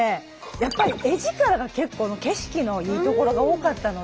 やっぱり画力が結構景色のいい所が多かったので。